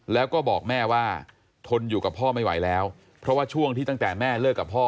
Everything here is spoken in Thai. แล้วก็บอกแม่ว่าทนอยู่กับพ่อไม่ไหวแล้วเพราะว่าช่วงที่ตั้งแต่แม่เลิกกับพ่อ